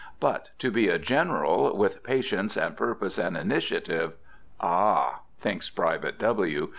But to be a general, with patience and purpose and initiative, ah!" thinks Private W.